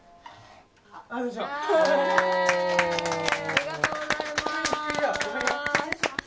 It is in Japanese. ありがとうございます！